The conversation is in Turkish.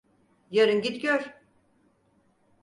Yarın git gör…